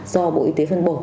do bộ y tế phân bổ